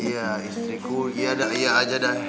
iya istriku iya aja dah